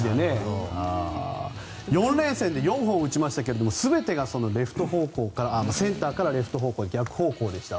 ４連戦で４本打ちましたが全てがセンターからレフト方向の逆方向でした。